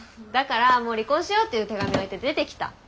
だから「もう離婚しよう」っていう手紙置いて出てきた。